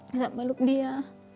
bisa meluk dia